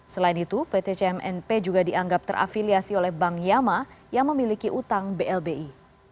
selain itu pt cmnp juga dianggap terafiliasi oleh bank yama yang memiliki utang blbi